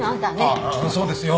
そうですよ。